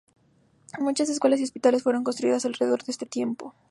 Muchas escuelas y hospitales fueron construidas alrededor de este tiempo.